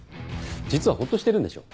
実はホッとしてるんでしょ？